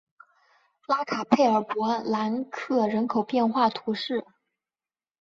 拉卡佩尔博南克人口变化图示